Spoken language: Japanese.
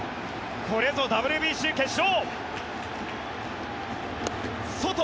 これぞＷＢＣ決勝。